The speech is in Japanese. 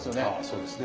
そうですね。